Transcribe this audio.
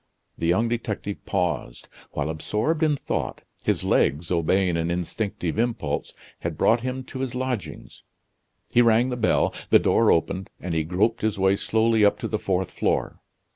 The young detective paused. While absorbed in thought, his legs, obeying an instinctive impulse, had brought him to his lodgings. He rang the bell; the door opened, and he groped his way slowly up to the fourth floor.